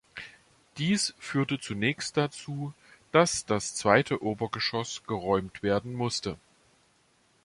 Dies führte zunächst dazu, dass das zweite Obergeschoss geräumt werden musste.